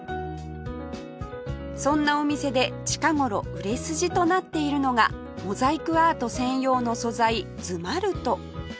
そんなお店で近頃売れ筋となっているのがモザイクアート専用の素材ズマルト